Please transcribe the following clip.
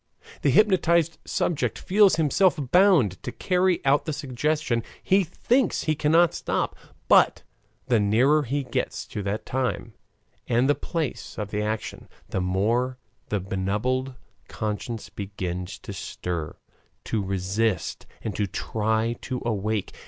The hypnotized subject feels himself bound to carry out the suggestion he thinks he cannot stop but the nearer he gets to the time and the place of the action, the more the benumbed conscience begins to stir, to resist, and to try to awake.